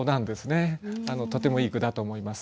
とてもいい句だと思います。